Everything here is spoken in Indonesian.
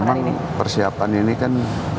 memang persiapan ini kan